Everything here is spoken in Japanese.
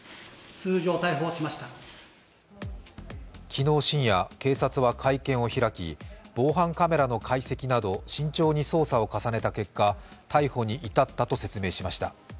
昨日深夜、警察は会見を開き防犯カメラの解析など慎重に捜査を重ねた結果、逮捕に至ったと説明しました。